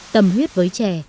tầm huyết với chè